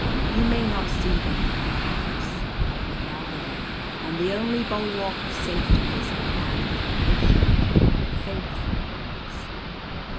You may not see them, perhaps — but they are there, and the only bulwark of safety is in a land of patient, faithful hearts."